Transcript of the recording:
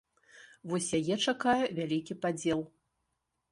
Вось яе чакае вялікі падзел.